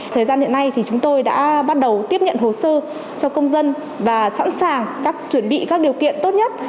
thời gian hiện nay thì chúng tôi đã bắt đầu tiếp nhận hồ sơ cho công dân và sẵn sàng chuẩn bị các điều kiện tốt nhất